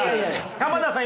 鎌田さん